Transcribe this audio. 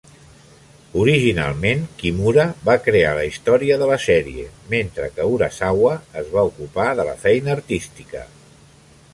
Originalment, Kimura va crear la història de la sèrie, mentre que Urasawa es va ocupar de la feina artística.